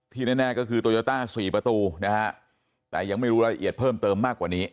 แน่ก็คือโตโยต้า๔ประตูนะฮะแต่ยังไม่รู้รายละเอียดเพิ่มเติมมากกว่านี้